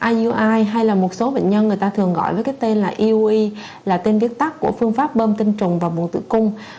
iui hay là một số bệnh nhân người ta thường gọi với tên là eui là tên viết tắt của phương pháp bơm tinh trùng và mùa tử cung